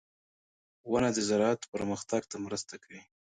• ونه د زراعت پرمختګ ته مرسته کوي.